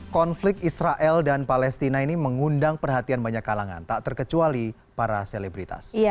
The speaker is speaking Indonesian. konflik israel dan palestina ini mengundang perhatian banyak kalangan tak terkecuali para selebritas